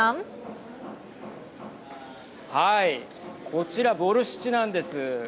こちらボルシチなんです。